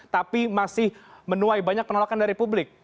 tapi masih menuai banyak penolakan dari publik